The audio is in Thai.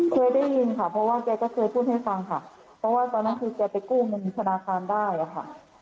เคยได้ยินค่ะเพราะว่าแกก็เคยพูดให้ฟังค่ะเพราะว่าตอนนั้นคือแกไปกู้เงินธนาคารได้อะค่ะ